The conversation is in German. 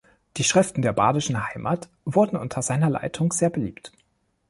Die Schriften der "Badischen Heimat" wurden unter seiner Leitung sehr beliebt.